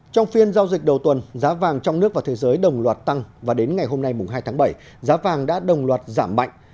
trong phiên giao dịch đầu tuần giá vàng trong nước và thế giới đồng loạt tăng và đến ngày hôm nay hai tháng bảy giá vàng đã đồng loạt giảm mạnh